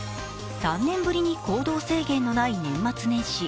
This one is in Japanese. ３年ぶりに行動制限のない年末年始。